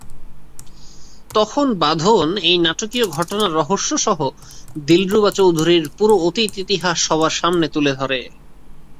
তখন বাঁধন এই নাটকীয় ঘটনার রহস্য সহ দিলরুবা চৌধুরীর পুরো অতীত ইতিহাস সবার সামনে তুলে ধরে।